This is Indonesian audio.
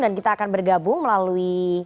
dan kita akan bergabung melalui